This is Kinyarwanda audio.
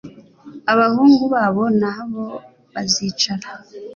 abahungu babo na bo bazicara